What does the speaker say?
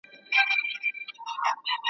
هغه حق په ژوند کي نه سی اخیستلای `